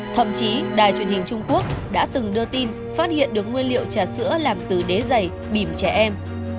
thậm chí đài truyền hình trung quốc đã từng đưa tin phát hiện được nguyên liệu trà sữa làm từ đế dày bìm trẻ em